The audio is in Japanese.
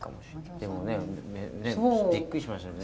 でもねびっくりしましたよね。